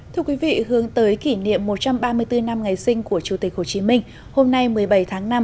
thưa quý vị hướng tới kỷ niệm một trăm ba mươi bốn năm ngày sinh của chủ tịch hồ chí minh hôm nay một mươi bảy tháng năm